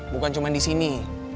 bukan cuma di sini